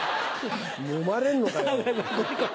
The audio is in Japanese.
もまれんのかよ？